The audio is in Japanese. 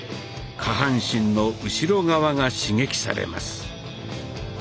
下半身の後ろ側が刺激されます。